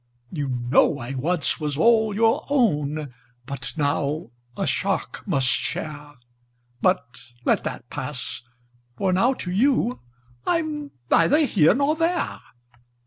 "You know I once was all your own. But now a shark must share! But let that pass â ^for now to you I'm neither here nor there.